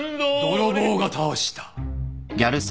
泥棒が倒した！